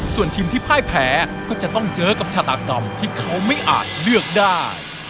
ส่วนทีมที่พ่ายแพ้ก็จะต้องเจอกับชาตากรรมที่เขาไม่อาจเลือกได้